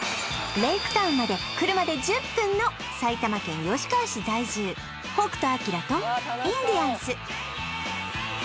レイクタウンまで車で１０分の埼玉県吉川市在住北斗晶とインディアンス